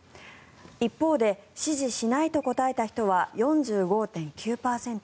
一方で支持しないと答えた人は４５．９％。